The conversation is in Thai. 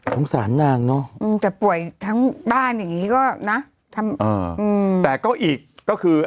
สารนางเนอะแต่ป่วยทั้งบ้านอย่างนี้ก็นะแต่ก็อีกก็คือ